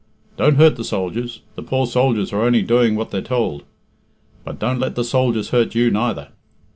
Don't hurt the soldiers the poor soldiers are only doing what they're tould. But don't let the soldiers hurt you neither.